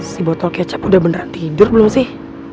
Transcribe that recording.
si botol kecap udah beneran tidur belum sih